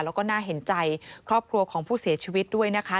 แล้วก็น่าเห็นใจครอบครัวของผู้เสียชีวิตด้วยนะคะ